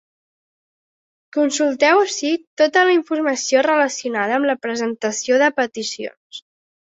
Consulteu ací tota la informació relacionada amb la presentació de peticions.